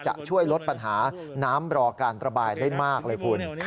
จะช่วยลดปัญหาน้ำรอการระบายได้มากเลยคุณ